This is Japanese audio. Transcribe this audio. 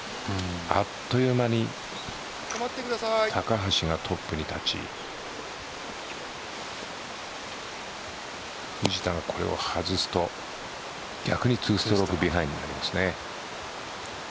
あっという間に高橋がトップに立ち藤田がこれを外すと逆に２ストロークビハインドになりますね。